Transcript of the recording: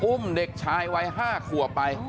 พุ่งเด็กชายวัย๕ขัวไป